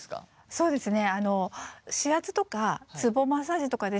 そうですね。